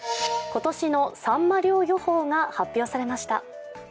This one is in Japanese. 今年のさんま漁予報が発表されました。